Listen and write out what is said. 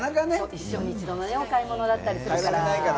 一生に一度のお買い物だったりするから。